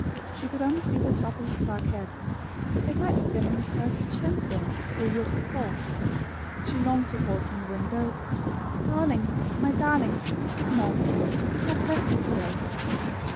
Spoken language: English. She could only see the top of his dark head. It might have been on the terrace at Shenstone, three years before. She longed to call from the window; "Darling my Darling! Good morning! God bless you to day."